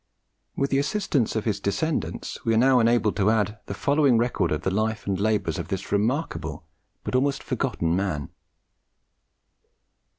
With the assistance of his descendants, we are now enabled to add the following record of the life and labours of this remarkable but almost forgotten man.